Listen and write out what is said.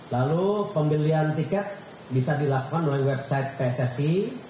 lalu pembelian tiket bisa dilakukan oleh website pssi